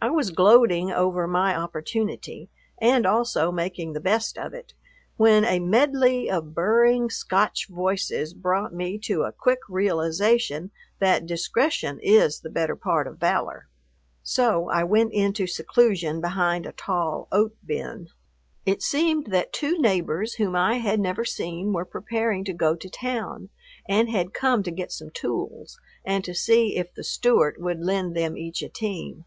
I was gloating over my opportunity, and also making the best of it, when a medley of burring Scotch voices brought me to a quick realization that discretion is the better part of valor. So I went into seclusion behind a tall oat bin. It seemed that two neighbors whom I had never seen were preparing to go to town, and had come to get some tools and to see if the Stewart would lend them each a team.